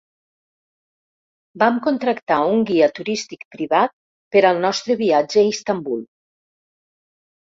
Vam contractar un guia turístic privat per al nostre viatge a Istanbul.